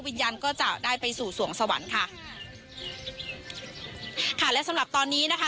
วิญญาณก็จะได้ไปสู่สวงสวรรค์ค่ะและสำหรับตอนนี้นะคะ